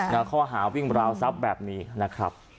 ข้อหาวิ่งราวทรัพย์แบบนี้นะครับ